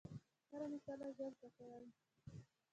هره مسئله ژر زده کوي.